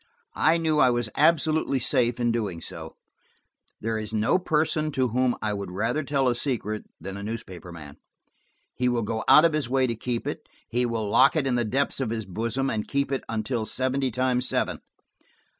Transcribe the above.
I knew I was absolutely safe in doing so: there is no person to whom I would rather tell a secret than a newspaper man. He will go out of his way to keep it: he will lock it in the depths of his bosom, and keep it until seventy times seven.